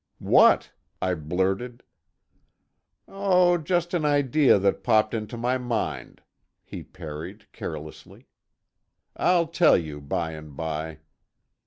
"What?" I blurted. "Oh, just an idea that popped into my mind," he parried carelessly. "I'll tell you by and by."